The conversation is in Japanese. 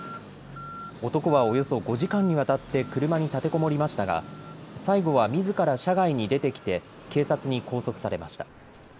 男はおよそ５時間にわたって車に立てこもりましたが最後はみずから車外に出てきて警察に拘束されました。